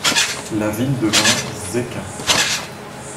La ville devint Szczecin.